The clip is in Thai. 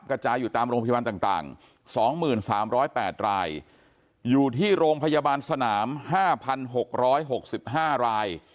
กระจายอยู่ตามโรงพยาบาลต่าง๒๓๐๘รายอยู่ที่โรงพยาบาลสนาม๕๖๖๕ราย